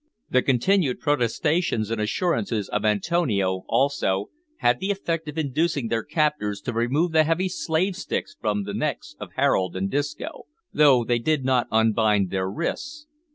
The continued protestations and assurances of Antonio, also, had the effect of inducing their captors to remove the heavy slave sticks from the necks of Harold and Disco, though they did not unbind their wrists.